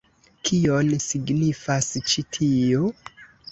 Kion signifas ĉi tio?